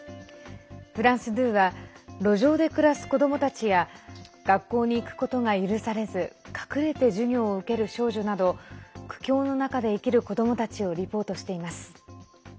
フランス２は路上で暮らす子どもたちや学校に行くことが許されず隠れて授業を受ける少女など苦境の中で生きる子どもたちをリポートしています。